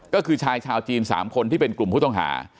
ก็คือชายชาวจีน๓คนที่เป็นกลุ่มผู้ต้องหา